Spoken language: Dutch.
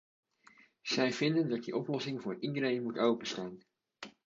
Zij vinden dat die oplossing voor iedereen moet openstaan.